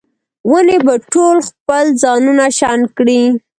ونې به ټوله خپل ځانونه شنډ کړي